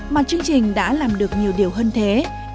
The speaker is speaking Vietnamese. mà chương trình đã làm được nhiều điều hơn thế